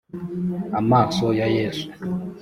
Amaso ya Yesu